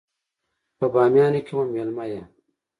په بامیانو کې مو مېلمه يې.